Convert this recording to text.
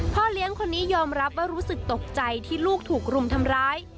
เลี้ยงคนนี้ยอมรับว่ารู้สึกตกใจที่ลูกถูกรุมทำร้าย